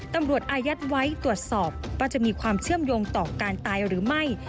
อายัดไว้ตรวจสอบว่าจะมีความเชื่อมโยงต่อการตายหรือไม่